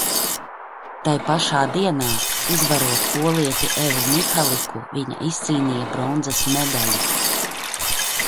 Tai pašā dienā, uzvarot polieti Evu Mihaliku viņa izcīnīja bronzas medaļu.